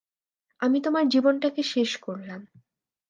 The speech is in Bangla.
আমি তোমার জীবনটাকে শেষ করলাম।